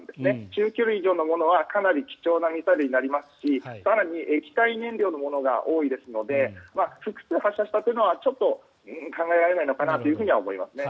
中距離以上のものはかなり貴重なミサイルになりますし更に液体燃料のものが多いですので複数発射したというのはちょっと考えられないのかなとは思いますね。